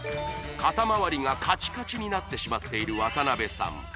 肩まわりがカチカチになってしまっている渡辺さん